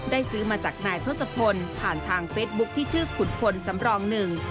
ซื้อมาจากนายทศพลผ่านทางเฟซบุ๊คที่ชื่อขุดพลสำรองหนึ่ง